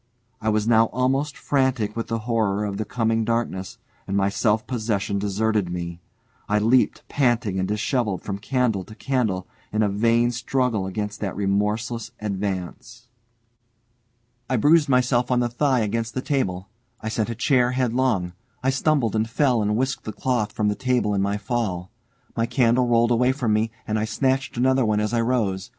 I was now almost frantic with the horror of the coming darkness, and my self possession deserted me. I leaped panting and dishevelled from candle to candle, in a vain struggle against that remorseless advance. I bruised myself on the thigh against the table, I sent a chair headlong, I stumbled and fell and whisked the cloth from the table in my fall. My candle rolled away from me, and I snatched another as I rose.